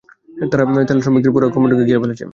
তারা তেলশ্রমিকদের পুরো এক কোম্পানিকে মেরে ফেলেছে।